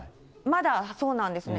まだ、そうなんですね。